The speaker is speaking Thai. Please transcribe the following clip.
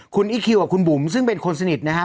คุณอีคคิวกับคุณบุ๋มซึ่งเป็นคนสนิทนะฮะ